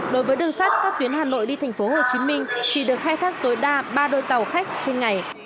đối với đường sắt các tuyến hà nội đi tp hcm chỉ được khai thác tối đa ba đôi tàu khách trên ngày